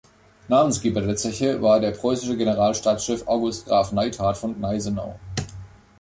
Namensgeber der Zeche war der preußische Generalstabschef August Graf Neidhardt von Gneisenau.